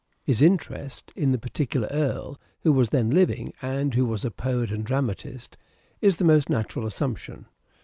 His interest in the particular Earl who was then living, and who was a poet and dramatist, is the most natural assumption.